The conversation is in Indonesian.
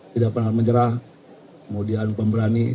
tidak pernah menyerah kemudian pemberani